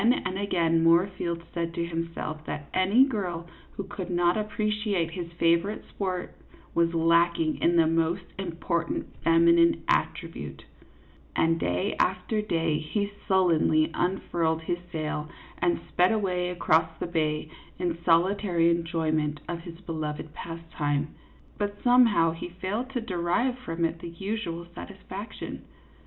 Again and again Moorfield said to himself that any girl who could not appreciate his favorite sport was lacking in the most important feminine attribute ; and day after day he sullenly unfurled his sail and sped away across the bay in solitary enjoyment of his beloved pastime. But somehow he failed to derive from it the usual satisfaction.